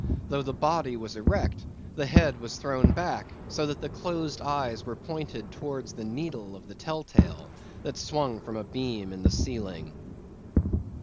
Though the body was erect, the head was thrown back so that the closed eyes were pointed towards the needle of the tell tale that swung from a beam in the ceiling.